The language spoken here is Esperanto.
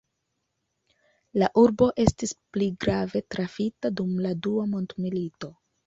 La urbo estis pli grave trafita dum la dua mondmilito.